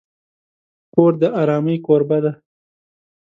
کور د آرامۍ کوربه دی.